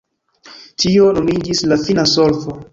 Tio nomiĝis “la fina solvo”.